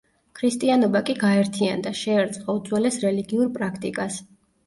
ქრისტიანობა კი გაერთიანდა, შეერწყა უძველეს რელიგიურ პრაქტიკას.